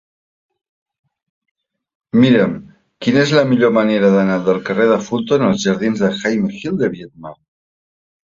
Mira'm quina és la millor manera d'anar del carrer de Fulton als jardins de Jaime Gil de Biedma.